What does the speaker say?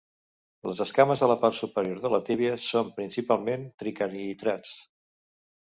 Les escames a la part superior de la tíbia són principalment tricarinats.